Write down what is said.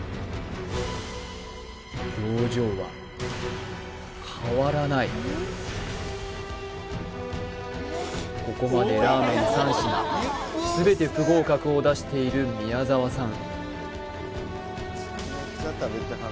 表情は変わらないここまでラーメン３品全て不合格を出している宮澤さん